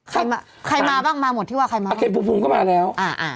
ใครมาใครมาบ้างมาหมดที่ว่าใครมาบ้างพี่ปุ๊บพุงก็มาแล้วอ่ะอ่า